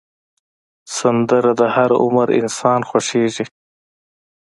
سندره د هر عمر انسان خوښېږي